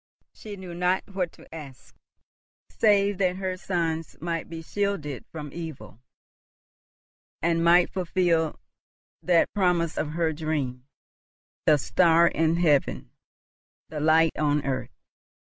She knew not what to ask, save that her sons might be shielded from evil, and might fulfil that promise of her dream, the star in heaven, the light on earth.